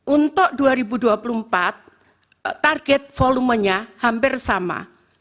untuk dua ribu dua puluh empat target volumenya hampir sama